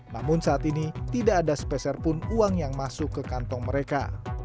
namun saat ini tidak ada speserpun uang yang masuk ke kantong mereka